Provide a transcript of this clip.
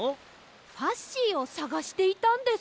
ファッシーをさがしていたんです。